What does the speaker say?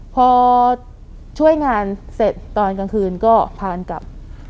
พอช่วยงานเสร็จตอนกลางคืนก็พานกลับ